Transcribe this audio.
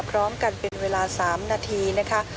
พร้อมกันเป็นเวลา๓นาทีนะคะ